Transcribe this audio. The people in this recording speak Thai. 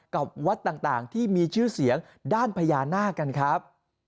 กับวัดต่างที่มีชื่อเสียงด้านพญานาคกันครับ